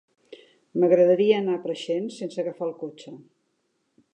M'agradaria anar a Preixens sense agafar el cotxe.